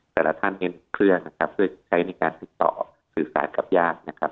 แต่ละท่านเห็นเครื่องนะครับเพื่อใช้ในการติดต่อสื่อสารกับญาตินะครับ